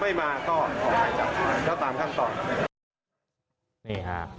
เลยมาต่อตามขั้นต่อ